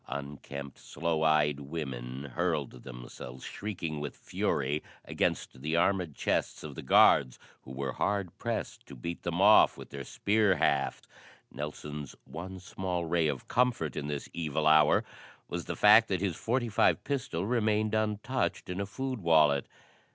Unkempt, sloe eyed women hurled themselves, shrieking with fury, against the armored chests of the guards, who were hard pressed to beat them off with their spear hafts. Nelson's one small ray of comfort in this evil hour was the fact that his .45 pistol remained untouched in a food wallet.